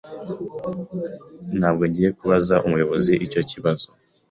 Ntabwo ngiye kubaza umuyobozi icyo kibazo.